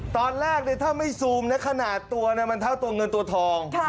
ตอนแรกนี่ถ้าไม่ซูมขนาดตัวแท่วเงินตัวทอง